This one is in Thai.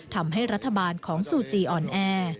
ทำให้รัฐบาลของซูจีอ่อนแอ